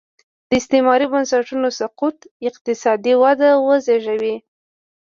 د استعماري بنسټونو سقوط اقتصادي وده وزېږوي.